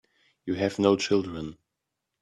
You have no children.